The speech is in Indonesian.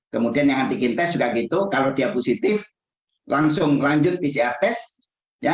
kemudian yang antigen test juga gitu kalau dia positif langsung lanjut pcr test